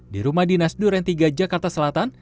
di rumah dinas duren tiga jakarta selatan